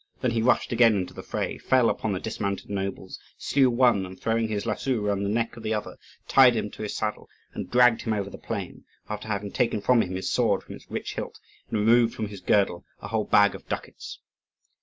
Then he rushed again into the fray, fell upon the dismounted nobles, slew one, and throwing his lasso round the neck of the other, tied him to his saddle and dragged him over the plain, after having taken from him his sword from its rich hilt and removed from his girdle a whole bag of ducats.